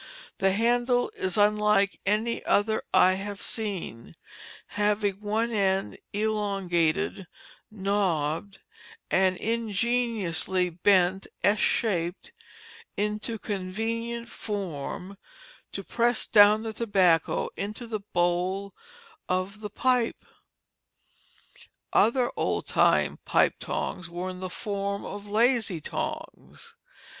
The handle is unlike any other I have seen, having one end elongated, knobbed, and ingeniously bent S shaped into convenient form to press down the tobacco into the bowl of the pipe. Other old time pipe tongs were in the form of lazy tongs.